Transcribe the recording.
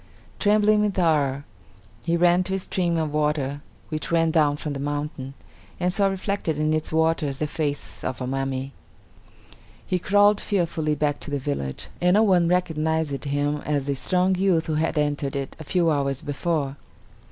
Trembling with horror, he ran to a stream of water which ran down from the mountain, and saw reflected in its waters the face of a mummy. He crawled fearfully back to the village, and no one recognized him as the strong youth who had entered it a few hours before.